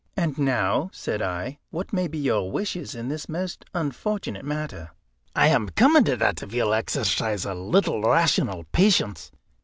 "And now," said I, "what may be your wishes in this most unfortunate matter?" "I am coming to that, if you'll exercise a little rational patience.